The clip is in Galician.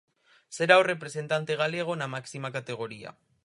Será o representante galego na máxima categoría.